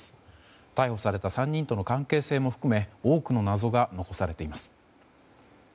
逮捕された３人との関係性も含め多くの謎が残されています。